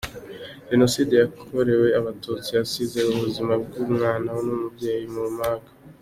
Jenoside yakorewe abatutsi yasize ubuzima bw’umwana n’umubyeyi mu manga.